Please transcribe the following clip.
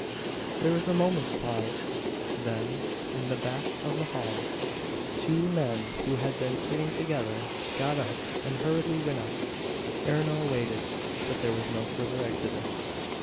There was a moment's pause; then, in the back of the hall, two men who had been sitting together got up and hurriedly went out. Ernol waited, but there was no further exodus.